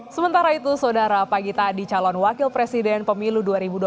sementara itu saudara pagi tadi calon wakil presiden pemilu dua ribu dua puluh